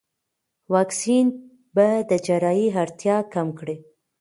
واکسین به د جراحي اړتیا کم کړي.